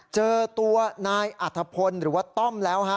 เจอตัวนายอัธพลหรือว่าต้อมแล้วฮะ